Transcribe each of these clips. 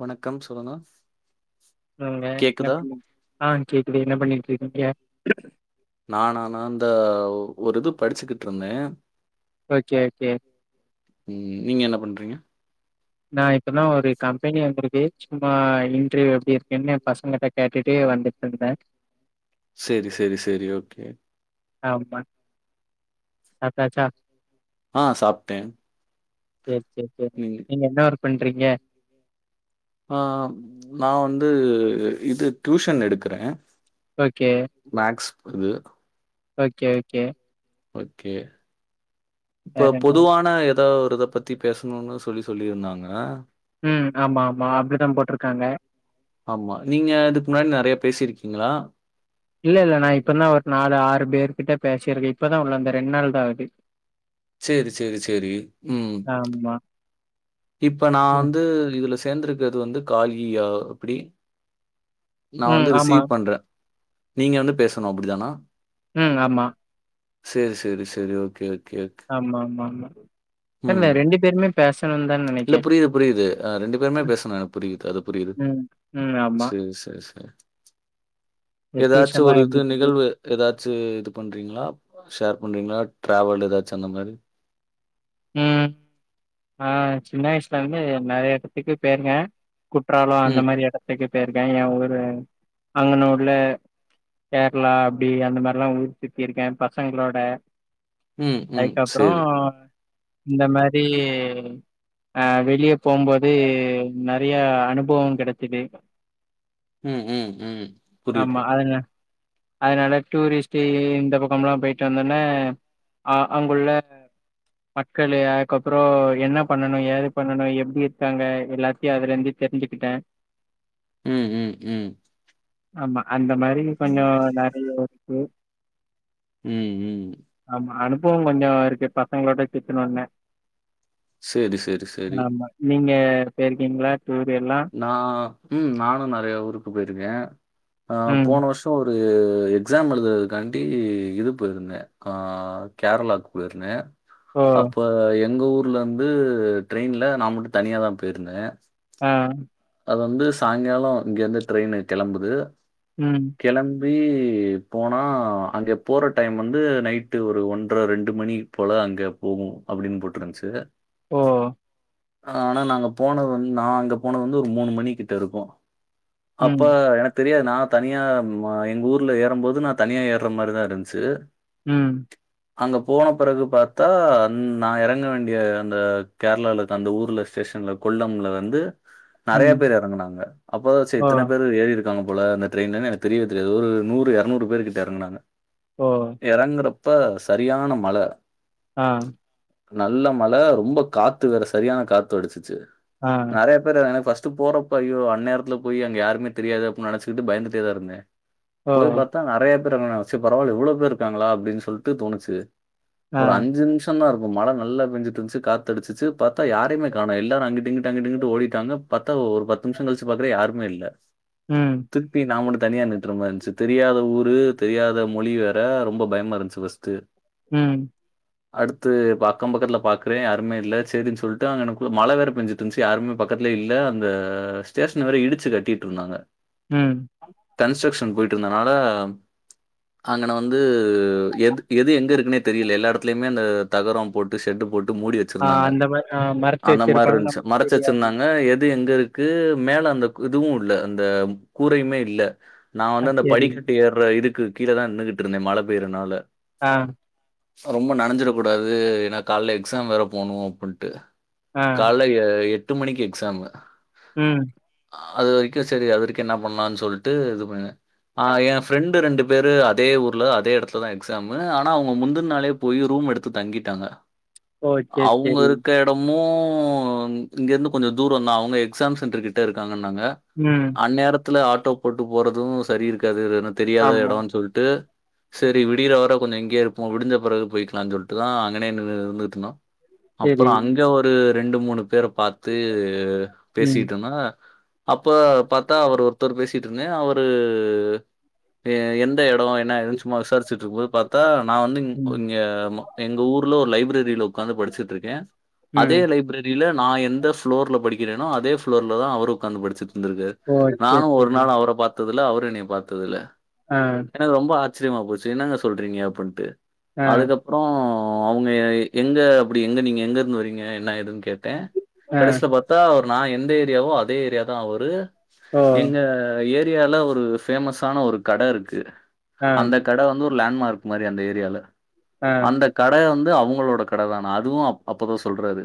வணக்கம் சொல்லுங்க சொல்லுங்க என்ன கேக்குதா? பண்ணி ஆ கேக்குது என்ன பண்ணிட் இருக்கீங்க நானா நா இந்த ஒரு இது படிச்சுகிட்ருந்தே ஓகே ஓகே ம் நீங்க என்ன பண்றீங்க நா இப்பதா ஒரு கம்பெனி வந்திருக்கு சும்மா இன்ட்ர்வியூ எப்டி இருக்குன்னு பசங்கட்ட கேட்டுட்டே வந்துட்ருந்தே செரி செரி செரி ஓகே ஆமா சாப்டாச்சா ஆ சாப்ட்டே செரி செரி செரி நீங்க என்ன ஒர்க் பண்றீங்க ஆ நா வந்து இது டியூஷன் எடுக்குறே ஓகே மேக்ஸ் இது ஓகே ஓகே ஓகே இப்போ வேற என்ன பொதுவான ஏதா ஒரு இத பத் தி பேசணுனு சொல்லி சொல்லி இருந்தாங்க ம் ஆமா ஆமா அப்டிதா போட்ருக்காங்க ஆமா நீங்க இதுக் முன்னாடி நெறைய பேசி இருக்கீங்களா இல்ல இல்ல நா இப்பதா ஒரு நாலு ஆறு பேரு கிட்ட பேசியிருக்கே இப்ப தா உள்ளந்தே ரெண்டு நாள் தா ஆவுது [inaudible] சேரி செரி செரி ம் ஆமா இப்ப நா ம் வந்து இதுல சேந்துருக்கர்து வந்து காலியா எப்டி நா ம் வந்து ஆமா ரிசீவ் பண்றே நீங்க வந்து பேசணு அப்டிதானா ம் ஆமா சேரி சேரி சேரி ஓக்கே ஓக்கே ஓக் ஆமா ஆமா ஆமா தெர்ல ரெண்டு பேருமே பேசணுந்தா நென இல்ல புரியுது புரியுது ஆ ரெண்டு பேருமே பேசனோ எனக் புரியுது அது புரியுது ம், ம். ஆமா. சேர் சேர் சேரங இந்த எதாச்சு ஒரு டியூஷன்லாம் எப்படி இது போச்சு? நிகழ்வு எதாச்சு இது பண்றிங்களா ஷேர் பண்றிங்களா டிராவல் எதாச்சி அந்த மாரி ம் ஆ சின்ன வய்ஸ்லந்து நெறய எட்த்துக்கு ட்ரிப்பு பேய்ருக்க குற்றாலோ அந்த ம், மாரி எடத்துக்கு போய்ருக்க எ ஊரு அங்கன உள்ள கேரளா அப்டி அந்த மார்ல்லா ஊர் சுத்திருக்கே பசங்ளோட ம், ம். அதுக்கப்றோ சரி. இந்த மாரி அ வெளியே போம்போது நெறய அனுபுவோ கெடச்சிது ம் ம் ம் ஆமா புரியுது. அதுல அதனால டூரிஸ்ட்டு இந்த பக்கம்லா போய்ட்டு வந்தோன ஆ அங்குள்ள மக்களு அதுக்கப்புறோ என்ன பண்ணனு ஏது பண்ணனு எப்டி இருக்காங்க எல்லாத்யு அதுலந்து தெர்ஞ்சுக்கிட்டே ம் ம் ம் ஆமா அந்த மாரி கொஞ்சோ நெறய இருக்கு ம், ம். ஆமா அனுபவோ கொஞ்சோ இருக்கு பசங்ளோட சுத்துனோன்ன சேரி சேரி செரி ஆமா. நீங்க போய்ருக்கிங்ளா டூர் எல்லா நா ம் நானு நறய ஊருக்கு போய்ருக்கே ஆ ம். போன வர்ஷ் ஷோ ஒரு எக்ஸாம் எழுதுருதுக்காண்டி இது போய்ருந்த ஆ கேரளாக்கு போய்ருந்தே ஓ! அப்ப எங்க ஊர்லந்து ட்ரெயின்ல நா மட்டு தனியாதா போய்ருந்தே ஆ அது வந்து சாய்ங்காலோ இங்கர்ந்து ட்ரெய்னு கெளம்புது ம் கெளம்பி போனா அங்க போற டைம் வந்து நைட்டு ஒரு ஒன்றர ரெண்டு மணி போல அங்க போகு அப்டின் போட்ருன்ச்சு ஓ ஆ ஆனா நாங்க போனது வந் நா அங்க போனது வந்து ஒரு மூணு மணி கிட்ட இருக்கும் அப்ப ம். எனக் தெரியாது நா தனியா எங்க ஊர்ல ஏறம் போது நா தனியா ஏர்ற மாரிதா இருந்ச்சு ம் அங்க போன பெறகு பாத்தா நா எறங்க வேண்டிய அந்த கேர்ளாலர்க்க அந்த ஊர்ல ஸ்டேஷன்ல கொல்லம்ல வந்து நறயா ம். பேரு எறங்கனாங்க அப்போதா சேர் ஓ! இத்தன பேரு ஏறிருக் காங்க போல அந்த ட்ரெய்னுன் எனக் தெரியவே தெரியாது ஒரு நூறு எறநூறு பேரு கிட்ட எறங்குனாங்க ஓ எறங்குறப்ப சரியான மழ ஆ நல்ல மழ ரொம்ப காத்து வேற சரியான காத்து அடிச்சுச்சு ஆ. நறய [unintelligible] ஃபர்ஸ்ட் போறப்போ ஐயோ அந்நேரத்துல போய் அங்க யாருமே தெரியாது அப்டி நெனச்சுட்டு பயந்துடே தா இருந்தே ஓ! போய் பாத்தா நெறைய பேர் எறங்னுநாங்க செ பரவால்ல இவ்ளோ பேர்ருக்காங்ளா அப்டின் சொல்ட்டு தோணுச்சு ஆ. ஒரு அஞ்சு நிமிஷ் ஷ தா இருக்கு மழ நல்ல பெஞ்சிட் இருந்துச்சு காத்தடிச்சிச்சு பாத்தா யாருயுமே காணு எல்லாரு அங்கிட் இங்குட்டு அங்கிட் இங்குட்டு ஓடிட்டாங்க பத்தா ஒரு பத்து நிம்ஷோ கழிச்சு பாக்றே யாருமே இல்ல ம் திருப்பி நா மட்டு தனியா நிட்று இருந்த மாரின்ச்சு தெரியாத ஊரு தெரியாத மொழி வேற ரொம்ப பயமா இருந்துச்சு ஃபஸ்ட்டு ம் அடுத்து அக்கோ பக்கத்துல பாக்றே யாருமே இல்ல சேரினு சொல்ட்டு அங்கனக்குள்ள மழ வேற பெஞ்சுட்டு இருச்சு யாருமே பக்கத்துல இல் ல அந்த ஸ்டேஷன வேற இடிச்சி கட்டிட்ருந்தாங்க ம் கன்ஸ்ட்ரக்ஷன் போயிட் இருந்தனால அங்கன வந்து எது எது எங்க இருக்குனே தெரியல எல்லா எடத்துலயுமே அந்த தகரோ போட்டு செட்டு போட்டு மூடி ஆ வச்சிருந்தாங்க அந்த மாரி ஆ மறைச்சு அந்த மார் வச்சிருப்பாங்க. இருந்ச்சு நமக்கு மறச் தெரியாது. வச்சிருந்தாங்க எது எது எங்க இருக்கு மேல அந்த இதுவு இல்ல அந்த கூரையுமே இல்ல நா ஆ வந்து அந்த சரி. படிக்கட்டு ஏற இதுக்கு கீழ தா நின்னுகிட் இருந்தே மழ பெய்றனால ஆ ரொம்ப நனஞ்சிற கூடாது ஏன்னா காலேல எக்ஸாம் வேற போணு அப்டின்ட்டு ஆ. காலைல எ எட்டு மணிக்கு எக்ஸாமு ம் அது வரைக்கு செரி அது வரைக்கு என்ன பண்ணலானு சொல்ட்டு இது பண்ண ஆ ஏ ஃப்ரெண்டு ரெண்டு பேரு அதே ஊர்ல அதே எடத்துலதா எக்ஸாமு ஆனா அவுங்க முந்துன்னாலே போய் ரூம் எடுத்து தங்கிட்டாங்க ஓ சேரி அவுங்க சேரி இருக்க எடமு இங்க இருந்து கொஞ்சோ தூரோதா அவு ங்க எக்ஸாம் சென்டெர் கிட்ட இருக்காங்கனாங்க ம் அந்நேரத்துல ஆட்டோ போட்டு போறது சரி இருக்காது இது ஏனா தெரியாத ஆமா எடோனு சொல்ட்டு சேரி விடுயிற வர கொஞ்ச இங்கயே இருப்போ விடுஞ்ச பெறகு போயிக்கலானு சொல்ட்டு தா அங்கனே இருந்துட்டு இருந் சேரி அப்பறோ அங்க ஒரு ரெண்டு மூணு பேர பாத்து ம் பேசிட்ருதனா அப்ப பாத்தா அவர் ஒருத்தரு பேசிட்டு இருந்தே அவரு எ எந்த எடோ என்னா ஏதுன்னு சும்மா விசாரிச்சிட் இருக்கு போது பாத் தா நா வந்து இ ம் இங்க எங்க ஊர்ல ஒரு லைப்ரரில உக்காந்து படிச்சி ட்ருக்கே அதே ம் லைப்ரரில நா எந்த ஃபோளோர்ல படிக்கிற னோ அதே ஃபுளோர்ல தா அவரு உக்காந்து படிச்சிட் இருந்திருகாரு ஓ சேரி நானு ஒரு சேரி நாள் அவர பாத் த்தில்ல அவரு என்னைய பாத்ததில்ல ஆ எனக்கு ரொம்ப ஆச்ரியமா போச்சு என்னங்க சொல்றீங்க அப்டின்ட்டு ஆ அதுக்கப் றோ அவுங்க எங்க அப்டி எங்க நீங்க எங்க இருந்து வறீங்க என்ன ஏதுனு கேட்டே ஆ கடேசில பாத்தா அவர் நா எந்த ஏரியாவோ அதே ஏரியா தா அவரு ஓ எங்க ஏ ரியால ஒரு ஃபேமஸான ஒரு கட இருக்கு ஆ அந்த கட வந்து ஒரு லேண்ட்மார்க் மாரி அந்த ஏரியல ஆ அந்த கட வந்து அவுங்களோட கட தான அதுவு அப் அப்போதா சொல்றாரு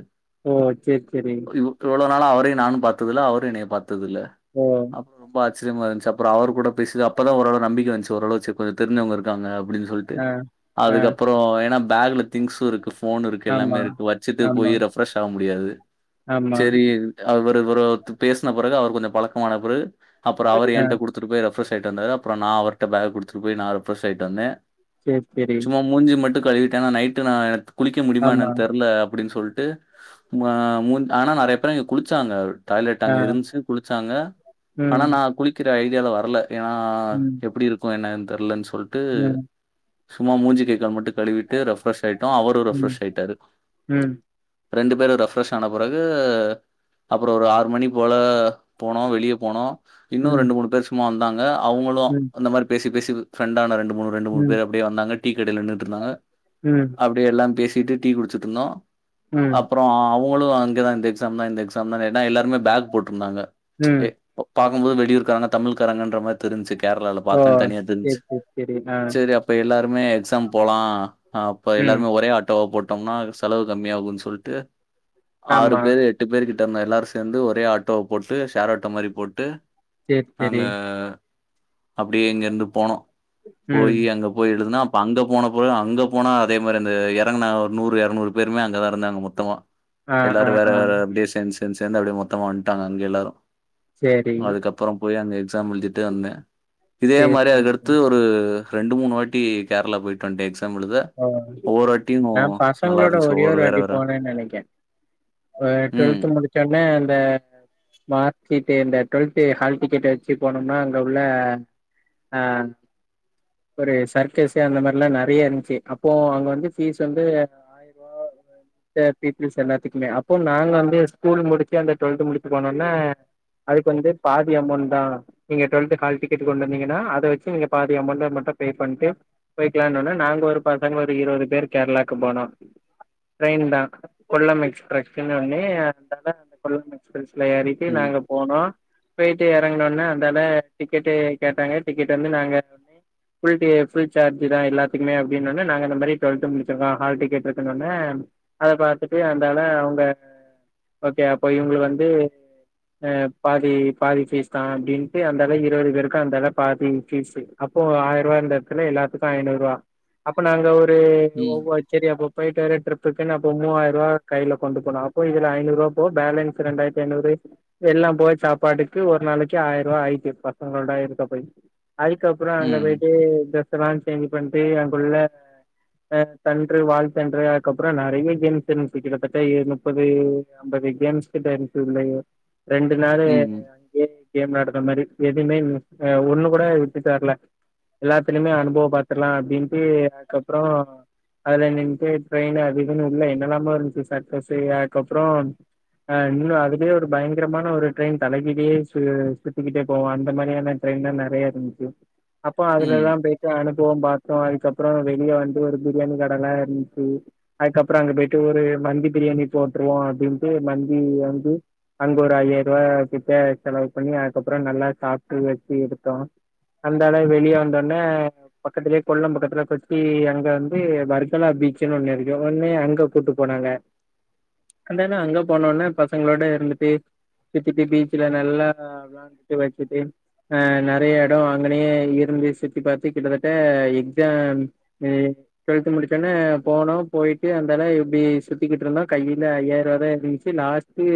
ஓ சேர் சேரி [unintelligible] இவ்ளோ நாளா அவரையு நானு பாத்துதில்ல அவுரு என்னைய பாத்ததுல்ல ம் ரொம்ப ஆச்சரியமா இருந்துச்சி அப்புற அவர் கூட பேசது அப்பதா ஓரளவு நம்பிக்க வன்ச்சு ஓரளவு [unintelligible] தெரிஞ்சவுங்க இருக்காங்க அப்பிடின் சொல்லிட்டு ஆ ஆ அதுக்கப்புற ஏன்னா பேக்ல திங்ஸு இருக்கு போனு இருக்கு எல்லாமே ஆமா இருக்கு வச்சிட்டு ஆமா போய் ரெஃப்ரெஸ் ஆக முடியாது ஆமா சேரி அவரு இவுரு ஒர்த்தரூ பேசின பிறகு அவர் கொஞ்சோ பழக்கமான பிறகு அப்புற அவர் ஆ ஏங்கிட்ட குடுத் குடுத்துட்டு போய் ரெஃப்ரெஸ் ஆய்ட்டு வந்தாரு அப்புறோ நா அவர்கிட்ட பேக் குடுத்து போய் நா ரெஃப்ரெஸ் ஆய்ட்டு வந்தே சேர் செரி சும்மா மூஞ்சி மட்டூ கழுவிட்டேனா நைட்டு நா குளிக்க முடியுமா ஆமா என்னோன்னு தெர்ல அப்பிடின் சொல்ட்டு மா மூஞ்ச ஆனா நறைய பேரு இங்க குளிச்சாங்க டாய்லெட் ஆ அங்கே இருந்துச்சி குளிச்சாங்க ஆனா ம் நா குளிக்கிற ஐடியால வரல ஏன்னா ம் எப்பிடி இருக்கோ என்ன ‌ஏத் தெர்லன்னு சொல்ட்டு ம் சும்மா மூஞ்சி கைக்கால் மட்டூ கழுவிட்டு கே ரெஃப்ரெஸ் ஆயிட்டோ அவுரூ ம் ரெஃப்ரெஸ் ஆயிட்டாரு ம் ரெண்டு பேரூ ரெஃப்ரெஸ் ஆன பிறகு அப்புறோ ஒரு ஆறு மணி போல போனோ வெளியே போனோ இன்னூ ம் ரெண்டு மூணு பேரு சும்மா வந்தாங்க அவுங்களூ ம் அந்த மாரி பேசி பேசி பிரெண்டான ரெண்டு மூணு ரெண்டு மூணு ம் பேர் அப்பிடியே வந்தாங்க டீ கடையில நின்னுட்டு இருந்தாங்க ம் அப் எல்லா பேசிட்டு டீ குடுச்சிட்டு இருந்தோ ம் அப்புற அவுங்களூ அங்கேதா இந்த எக்ஸாம் தா இந்த எக்ஸாம் தான ‌என்ன எல்லாருமே பேக் போட்ருந்தாங்க ம் ‌ஏ பாக்கும்போது வெளியூர்க்காரங்க தமிழ்காரங்க இன்ற மாரி தெரிஞ்சி கேரளாவுல ஓ பாத்தே தனியா சேரி தெரிஞ்ச்சு சேரி சேரி ஆ சேரி அப் இப்ப எல்லாருமே எக்ஸாம் போலா அப்ப ம் எல்லாருமே ஒரே ஆட்டோவா போட் டோம்னா செலவு கம்மிய ஆகுனா சொல்லிட்டு ஆறு ஆமா பேர் எட்டு பேரு கிட் ட எல்லாரூ சேர்ந்து ஒரே ஆட்டோவோ போட்டு ஷேர் ஆட்டோ மாரி போட்டு சேரி நாங்க சேரி அப்பிடியே இங்க இருந்து போனோ போயி் ம் அங்க போயி எழுதுன்னா அப்ப அங்க போன பிறகு அங்க போனா அதே மாரி அந்த இறங்குனா ஒரு நூறு இரநூறு பேருமே அங்கேதா இருந்தாங்க மொத் மெத்தமா ஆ ஆ எல்லாரு வேற ஆ வேற பிளேஸ் சேர்ந்து சேர்ந்து அப்பிடியே மொத்தமா வந்ட்டாங்க அங்க எல்லாரூ சேரி அதுக்கப் புறோ போயி அங்க எக்ஸாம் எழுதிட்டு வந்தே இதே சேரி மாரி சேரி அதுக்கடுத்து சேரி ஒரு ரெண்டு மூணு வாட்டி கேரளா போயிட்டு வண்டே எக்ஸாம் எழுத ஓ ஒவ்வொரு வாட்டியும் நா நல்லா பசங்களோட இருந்துச்சு. ஒரே ஒவ்வொரு ஒரு வேற வாட்டி வேற. போனேன்னு நெனைக்கோ இப்ப ம், டுவெல்த் முடிச்சோனே அந்த மார்க் சீட்டு இந்த டுவெல்த் ஹால் டிக்கெட் வச்சு போனோம்னா அங்க உள்ள ஆ ஒரு சர்க்கஸ் அந்த மாதிரில்லா நறய இருஞ்சு அப்போ அங்க வந்து ஃபீஸ் வந்து ஆயிரம் ரூபா த பீயூப்ள்ஸ் எல்லாத்துக்குமே அப்போ நாங்க வந்து ஸ்கூல் முடிச்சு அந்த டுவெல்த் முடிச்சி போனோன்னே அதுக்கு வந்து பாதி அமௌவுண்ட் தா நீங்க டுவெல்த் ஹால் டிக்கெட் கொண்டு வந்தீங்கின்னா அத வச்சு நீங்க பாதி அமௌவுண்ட் மட்டூ பே பண்ணிட்டு போயிக்கலான் இன்ன ‌உட்னோ நாங்க ஒரு பசங்க ஒரு இருபது பேர் கேரளாக்கு போனோ ட்ரெயின் தா கொல்லம் எக்ஸ்பிரஸ்ன்னே ஒண்ணு அந்த எடோ அந் கொல்லம் எக்ஸ்பிரஸ்ல ஏறிட்டு ம், நாங்கப் போனோ போயிட்டு இறங்குணுனே அந்தால டிக்கெட்டு கேட்டாங்க டிக்கெட் வந்து நாங்க ஃபுல் டீ ஃபுல் சார்ஜ் தா எல்லாத்துக்குமே அப்பிடினுன்னே நாங்க இந்த மாரி டுவெல்த் முடிச்சிருக்கோ ஹால் டிக்கெட் இருக்குன்னுனோ அத பாத்துட்டு அந்தால அவுங்க ஓகே அப்போ இவுங்க வந்து அ பாதி பாதி ஃபீஸ் தா அப்பிடின்ட்டு அந்தளவு இருபது பேருக்கு அந்தள பாதி பீஸு அப்போ ஆயிர ரூபா இருந்த எடத்துல எல்லாத்துக்கூ ஐநூறு ரூபா அப்ப நாங்க ஒரு ம், ஒவ்வொத் சேரி அப்போ போயிட்டு வர ட்ரிப்புக்கு நா அப்ப மூவாயிர ரூவா கையில கொண்டு போனோ அப்ப இதுல ஐநூறுபா போவ் பேலன்ஸ் மிச்ச ரண்டாயிரத்தி ஐநூறு எல்லா போய் சாப்பாட்டுக்கு ஒரு நாளைக்கு ஆயிரூவா ஆயிட்டு பசங்களோட இருக்க போய் அதுக்கப்புற அங்க ம், போயிட்டு ட்ரெஸ்ல்லா சேஞ்சு பண்ணிட்டு அங்குள்ள ஆ தன்ட்ரு வாழ் தன்ட்ரு அதுக்கப்புற நறைய கேம்ஸ் இருந்ச்சி கிட்டத்தட்ட ஏ முப்பது அம்பது கேம்ஸ் கிட்ட இருக்கு இதுலேயே ரெண்டு நாளு ம், ஏ கேம் விளாடுற மாரி எதுவுமே ஆ ஒண்ணு கூட விட்டு தரல எல்லாத்துலயுமே அனுபவ பாத்துர்லா அப்டின்ட்டு அதுக்கப்புற அதுல நின்ட்டு ட்ரெயின் அது இதுன்னு உள்ள என்னல்லாமோ இருந்துச்சு சர்க்கஸு அதுக்கப்புற ஆ இன்னு அதுலேயே ஒரு பயங்கரமான ஒரு ட்ரெயின் தலைக்கிட்டே சு சுத்திக்கிட்டே போவு அந்த மாதிரியான ட்ரெயின் எல்லாம் நெறைய இருந்துச்சு அப்போ அதுல எல்லா ம், போய்ட்டு அனுபவம் பாத்தோ அதுக்கப்புற வெளி வந்து ஒரு பிரியாணி கடலா இருந்துச்சு அதுக்கப்புற அங்க போய்ட்டு ஒரு மந்தி பிரியாணி போட்டுருவோ அப்டின்ட்டு மந்தி வந்து அங்க ஒரு ஐயாயிரூவா கிட்ட செலவு பண்ணி அதுக்கப்புற நல்லா சாப்ட்டு வச்சு இருத்தோ அந்த அல வெளியே வந்தோன்னே பக்கத்துலேயே கொல்லம் பக்கத் துல சுத்தி அங்க வந்து பர்க்கலா பீச்சுன்னு ஒண்ணு இருக்கு ஒன்னே அங்க கூட்டு போனாங்க அந்தனா அங்க போனோன்னே பசங்களோட இருந்துட்டு சுத்திட்டு பீச்சுல நல்லா வாக்கு வச்சிட்டு ஆ நெறைய எடோ அங்கனே இருந்து சுத்தி பாத்து கிட்டத்தட்ட எக்ஸாம் ஆ டுவெல்த் முடிச்சோன்னே போனோ போயிட்டு அந்தலா இப்டி சுத்திட்டு இருந்தோ கையில ஐயாயிரூவா தா இருந்துச்சு லாஸ்ட் டு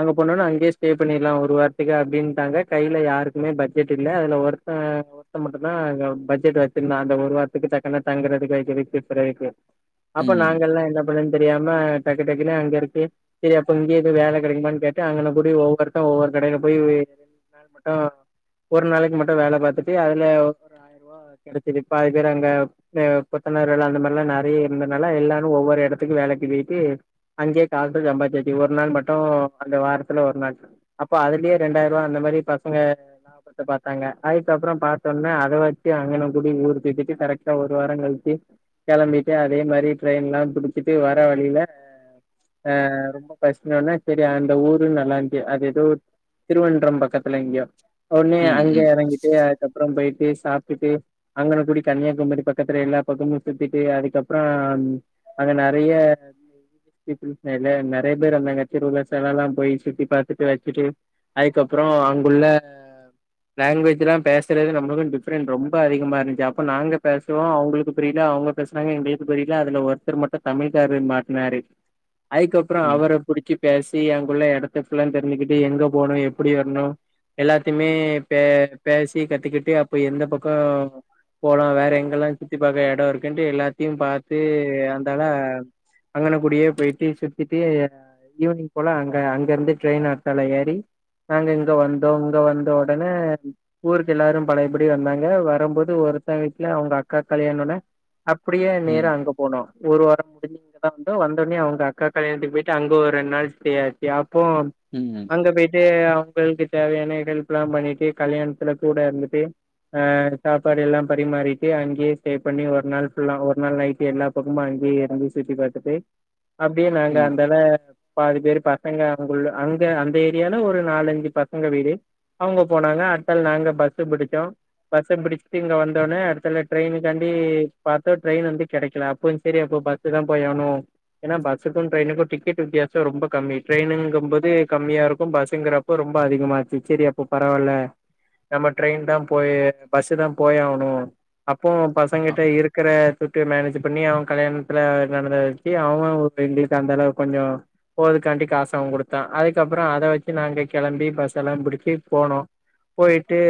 அங்க போனோன்னே அங்கேயே ஸ்டே பண்ணிட்லா ஒரு வாரத்துக்கு அப்படின்ட்டாங்க கையில யாருக்குமே பட்ஜெட் இல்ல அதுல ஒருத்த ஒருத்தன் மட்டுந்தா அங்க பட்ஜெட் வச்சிருந்தா அந்த ஒரு வாரத்துக்கு சட்டுன்னு தங்கறதுக்கு கை இருக்கு பிறக்கு ம், அப்ப நாங்க ம், எல்லா எங்க போறன்னு தெரியாம டக்கு டக்குனு அங்க இருக்கு செரி அப்ப இங்கேயே எது வேல கெடைக்குமான்னு கேட்டு அங்கன்ன கூடி ஒவ்வொருத்த ஒவ்வொரு கடையில போய் நா மட்டும் ஒரு நாளைக்கு மட்டு வேல பாத்துட்டு அதுல ஒரு ஆயிரரூவா கெடைச்சது பாதி பேர் அங்க இந்த த கொத்தனார் வேல அந்த மாரிலா நெறைய இருந்தனால எல்லாரு ஒவ்வொரு எடத்துக்கு வேலைக்கு போயிட்டு அங்கேயே காச சம்பாதிச்சி வெச்சு ஒரு நாள் மட்டு அங்க வாரத்துல ஒரு நாள் அப்போ அதுலயே ரெண்டாயிரூவா அந்த மாரி பசங்க லாபத்த பாத்தாங்க அதுக்கப்புற பாத்தோன்னே அத வச்சு அங்கன்ன கூடி ஊருக் பேசிட்டு கரெக்டா ஒரு வார கழிச்சி கெளம்பிட்டு அதே மாரி ட்ரெயின்லா புடிச்சிட்டு வர வழியில ஆ ரொம்ப ஃபஸ்ட்னவொன்னே செரி அந்த ஊரு நல்லா இருந்துச்சி அது ஏதோ திருவன்றம் பக்கத்துல எங்கயோ ஒன்னே அங்க ம், எறங்கிட்டு அதுக்கப்புற போயிட்டு சாப்ட்டுட்டு அங்கன குடி கன்னியாகுமரி பக்கத்துல எல்லா பக்கமு சுத்திட்டு அதுக்கப்புற அங்க நெறைய பீப்பிள்ஸ் அதுல நெறைய பேர் வந்தாங்க திருவிழா செலல்லா போய் சுத்தி பாத்துட்டு வச்சுட்டு அதுக்கப்புற அங்குள்ள லாங்குவேஜ் எல்லா பேசுறது நம்மளுக்கும் டிஃப்ரெண்ட் ரொம்ப அதிகமா இருந்துச்சு அப்ப நாங்க பேசுவோ அவங்களுக்கு புரியல அவுங்க பேசுனாங்க எங்களுக்கு புரியல அதுல ஒருத்தர் மட்டு தமிழ்காரர் மாட்டுனாரு அதுக்கப்புற ம், ம், அவர புடிச்சு பேசி அங்குள்ள எடத்த ஃபுல்லா தெரிஞ்சிக்கிட்டு எங்க போணு எப்டி வர்ணு எல்லாத்தையுமே பே பேசி கத்தக்கிட்டு அப்ப எந்த பக்கம் போலா வேற எங்கெல்லா சுத்தி பாக்க எடோ இருக்குன்ட்டு எல்லாத்தையு பாத்து அந்தால அங்கன கூடியே போயிட்டு சுத்திட்டு ஈவினிங் போல அங்க அங்க இருந்து ட்ரெயின் அடுத்தால ஏறி நாங்க இங்க வந்தோ இங்க வந்த ஒடனே ஊருக்கு எல்லாரு பழையபடி வந்தாங்க வரும்போது ஒரு அத்தை வீட்ல அவங்க அக்கா கல்யாணோட அப்படியே நேர ம், அங்க போனோ ஒரு வாரோ முடிஞ்சு அங்க வந்து வந்தோனே அவுங்க அக்கா கல்யாணத்துக்கு போயிட்டு அங்க ஒரு ரெண்டு நாள் ஸ்டே ஆயிச்சு அப்போ ம், அங்க பொய்டு ஃப்ரெண்க்கு தேவையான ஹெல்ப் எல்லா பண்ணிட்டு கல்யாணத்துல கூட இருந்துட்டு ஆ சாப்பாடு எல்லா பரிமாறிட்டு அங்கியே ஸ்டே பண்ணி ஒரு நாள் ஃபுல்லா ஒரு நாள் நைட்டு எல்லா பக்கமு அங்கியே இருந்து சுத்தி பாத்துட்டு அப்டியே நாங்க ம். அந்தாள பாதி பேரு பசங்க அங்குள்ள அங்க அந்த ஏரியால ஒரு நாலஞ்சு பசங்க வீடு அவுங்க போனாங்க அடுத்தாள் நாங்க பஸ் பிடிச்சோ பஸ்ச பிடிச்சிட்டு இங்க வந் உட்டோனே அடுத்துல ட்ரெயினுக்காண்டி பாத்தோ ட்ரெயின் வந்து கெடைக்கல அப்றோ சரி அப்ப பஸ்சு தா போயாகணு ஏன்னா பஸ்ஸுக்கு ட்ரெயினுக்கு டிக்கெட் வித்தியாசோ ரொம்ப கம்மி ட்ரெயின்னுங்க போது கம்மியா இருக்கு பஸ்ஸுங்கிறப் இப்ப ரொம்ப அதிகமாச்சு சரி அப்போ பரவால்ல நம்ம ட்ரெயின் தா போய் பஸ்ஸு தா போய்யாவனு அ அப்போ பசங்கிட்ட இருக்கிற மேனேஜ் பண்ணி அவ கல்யாணத்துல நடந்த வச்சு அவ எங்களுக்கு அந்த அளவுக்கு கொஞ்சோ போறதுக்காண்டி காசு அவ குடுத்தா அதுக்கப்புறோ அத வச்சு நாங்க கெளம்பி பஸ் எல்லா புடிச்சு போனோ போயிட்டு